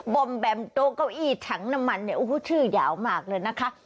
บอมแบมโต๊ะเก้าอี้ถังน้ำมันเนี่ยโอ้โหชื่อยาวมากเลยนะคะ